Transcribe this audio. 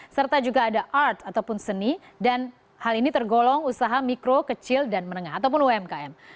serta juga ada art ataupun seni dan hal ini tergolong usaha mikro kecil dan menengah ataupun umkm